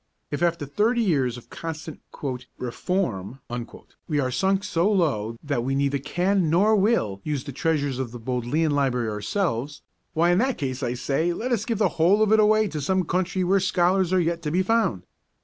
If after thirty years of constant 'reform' we are sunk so low that we neither can, nor will, use the treasures of the Bodleian Library ourselves, why in that case I say let us give the whole of it away to some country where scholars are yet to be found.